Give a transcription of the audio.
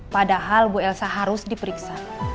padahal bu elsa harus diperiksa